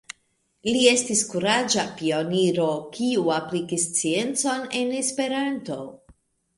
Li estis kuraĝa pioniro kiu aplikis sciencon en Esperanto.